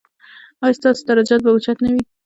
ایا ستاسو درجات به اوچت نه وي؟